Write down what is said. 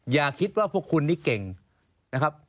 อย่าคิดว่าพวกคุณนี่เก่งนะครับ